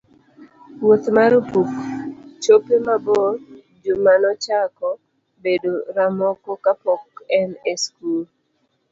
Wuoth mar opuk, chope mabor, Juma nochako bedo ramoko kapod en e skul.